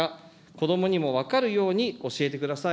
こどもにも分かるように教えてください。